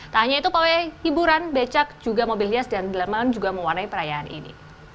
tak hanya itu pawai hiburan becak juga mobil hias dan dilemam juga mewarnai perayaan ini